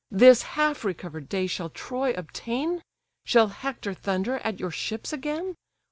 This half recover'd day shall Troy obtain? Shall Hector thunder at your ships again?